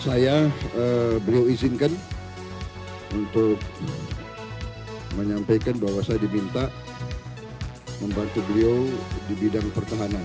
saya beliau izinkan untuk menyampaikan bahwa saya diminta membantu beliau di bidang pertahanan